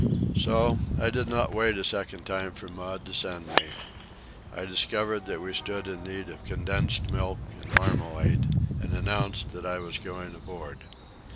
So I did not wait a second time for Maud to send me. I discovered that we stood in need of condensed milk and marmalade, and announced that I was going aboard.